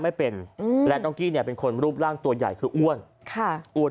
ไม่เป็นอืมและน้องกี้เนี่ยเป็นคนรูปร่างตัวใหญ่คืออ้วนค่ะอ้วน